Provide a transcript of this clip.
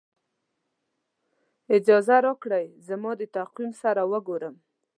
اجازه راکړئ زما د تقویم سره وګورم.